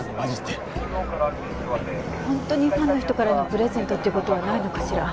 本当にファンの人からのプレゼントっていう事はないのかしら？